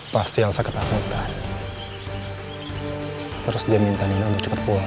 pasti elsa ketakutan terus dia minta nino cepet pulang